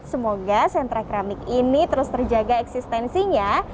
semoga sentra keramik ini terus terjaga eksistensinya